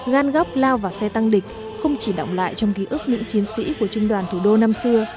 gan góc lao vào xe tăng địch không chỉ động lại trong ký ức những chiến sĩ của trung đoàn thủ đô năm xưa